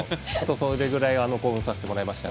それぐらい興奮させてもらいました。